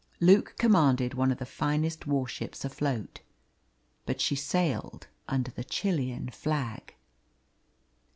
Luke commanded one of the finest war ships afloat, but she sailed under the Chilean flag.